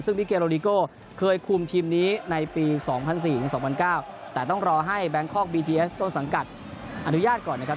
ซึ่งบิเกโรดิโก้เคยคุมทีมนี้ในปี๒๐๐๔๒๐๐๙แต่ต้องรอให้แบงคอกบีทีเอสต้นสังกัดอนุญาตก่อนนะครับ